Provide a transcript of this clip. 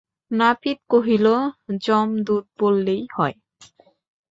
নাপিত কহিল, যমদূত বললেই হয়।